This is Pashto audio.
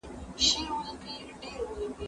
هغه څوک چي مرسته کوي مهربان وي!.